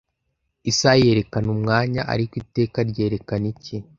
Isaha yerekana umwanya-ariko iteka ryerekana iki?